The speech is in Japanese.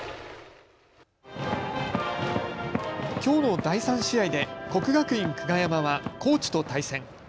きょうの第３試合で国学院久我山は高知と対戦。